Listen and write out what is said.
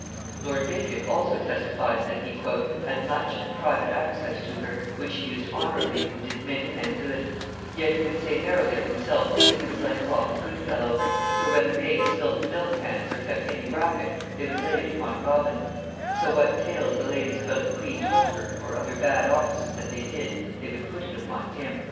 Lord Bacon also testifies that he "had much and private access to her, which he used honorably and did many men good: yet he would say merrily of himself, that he was like Robin Goodfellow; for when the maids spilt the milk pans or kept any racket, they would lay it upon Robin: so what tales the ladies about the queen told her, or other bad offices that they did, they would put it upon him."